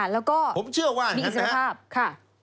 แล้วก็มีอิสระภาพ